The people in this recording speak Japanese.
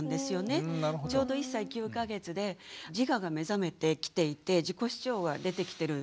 ちょうど１歳９か月で自我が目覚めてきていて自己主張は出てきてる。